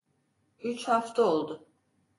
Üç hafta oldu.